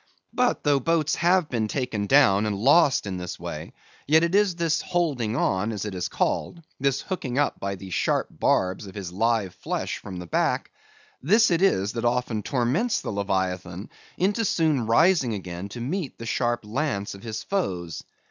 But though boats have been taken down and lost in this way, yet it is this "holding on," as it is called; this hooking up by the sharp barbs of his live flesh from the back; this it is that often torments the Leviathan into soon rising again to meet the sharp lance of his foes.